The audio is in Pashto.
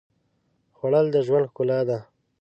خوړل د ژوند ښکلا ده